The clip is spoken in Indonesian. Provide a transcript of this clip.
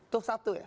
itu satu ya